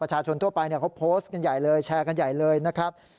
ทั่วไปเขาโพสต์กันใหญ่เลยแชร์กันใหญ่เลยนะครับ